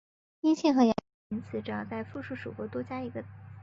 阳性和阴性的名词只要在复数属格多加一个就行了。